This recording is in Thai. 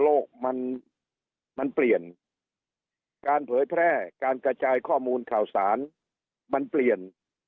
โลกมันมันเปลี่ยนการเผยแพร่การกระจายข้อมูลข่าวสารมันเปลี่ยน